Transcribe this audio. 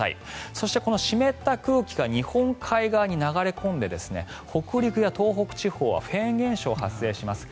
そして、この湿った空気が日本海側に流れ込んで北陸や東北地方はフェーン現象が発生します。